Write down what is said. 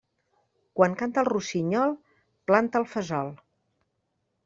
Quan canta el rossinyol, planta el fesol.